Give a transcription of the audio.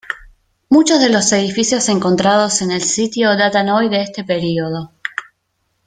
Muchos de los edificios encontrados en el sitio datan hoy de este período.